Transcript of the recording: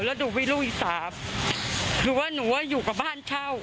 แล้วหนูมีลูกอีสานหรือว่าหนูว่าอยู่กับบ้านเช่า